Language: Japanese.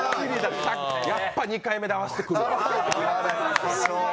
やっぱ２回目で合わせてくるわ。